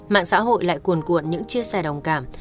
mạng xã hội lại cuồn cuộn những chia sẻ đồng cảm